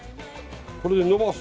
これでのばす。